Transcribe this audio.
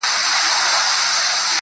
• ما د وحشت په زمانه کي زندگې کړې ده_